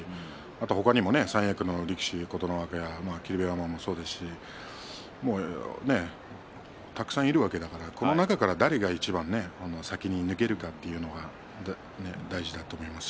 他にも三役の力士琴ノ若や霧馬山もそうですしたくさんいるわけだからこの中から誰がいちばん先に抜けるかというのが大事だと思いますし。